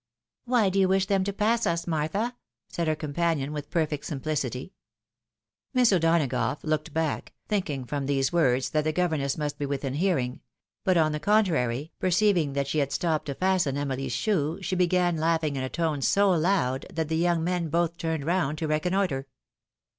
" Why do you wish them to pass us, Martha? " said her companion with perfect simplicity. Miss O'ponagough looked back, thinking from these words that the governess must be within hearing ; but, on the con trary, perceiving that she had stopped to fasten Emily's shoe, she began laughing in a tone so loud, that the young men both turned round to reconnoitre.